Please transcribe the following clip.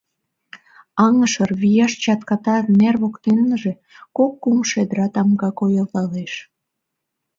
Аҥышыр, вияш чатката нер воктеныже кок-кум шедра тамга койылдалеш.